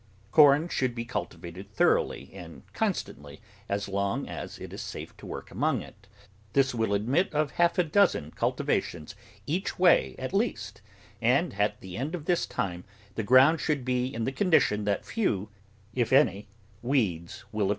Corn should be cultivated thoroughly and con stantly as long as it is safe to work among it; this will admit of half a dozen cultivations each way at least, and at the end of this time the ground should be in the condition that few, if any, weeds will appear.